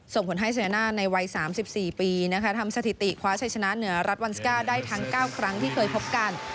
ส่งผลให้เซอร์น่าในวัย๓๔ปีทำสถิติคว้าชัยชนะเหนือรัฐวันสก้าได้ทั้ง๙ครั้งที่เคยพบกัน